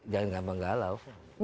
jangan gampang galau